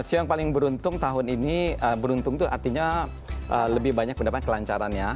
sio yang paling beruntung tahun ini beruntung tuh artinya lebih banyak pendapatan kelancarannya